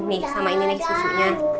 nih sama ini nih susunya